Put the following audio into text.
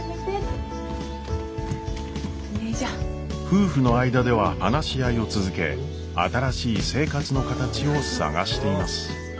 夫婦の間では話し合いを続け新しい生活の形を探しています。